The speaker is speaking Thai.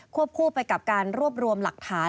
คู่ไปกับการรวบรวมหลักฐาน